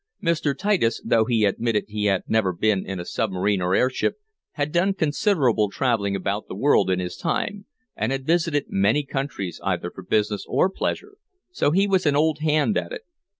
Mr. Titus, though he admitted he had never been in a submarine or airship, had done considerable traveling about the world in his time, and had visited many countries, either for business or pleasure, so he was an old hand at it.